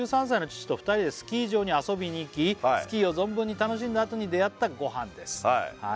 「５３歳の父と２人でスキー場に遊びに行き」「スキーを存分に楽しんだ後に出会ったご飯です」